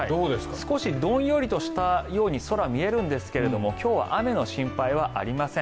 少しどんよりとしたように空、見えるんですけれども今日は雨の心配はありません。